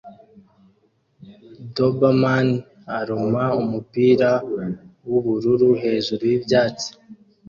Doberman aruma umupira wubururu hejuru yibyatsi